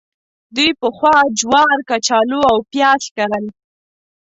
دوی پخوا جوار، کچالو او پیاز کرل.